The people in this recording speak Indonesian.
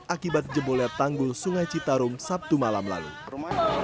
akibat jebolnya tanggul sungai citarum sabtu malam lalu